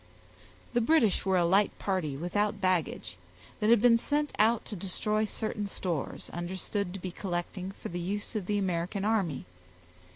The British were a light party without baggage, that had been sent out to destroy certain stores, understood to be collecting for the use of the American army.